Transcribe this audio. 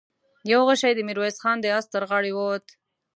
يو غشۍ د ميرويس خان د آس تر غاړې ووت.